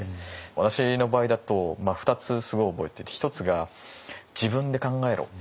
私の場合だと２つすごい覚えてて一つが「自分で考えろ」。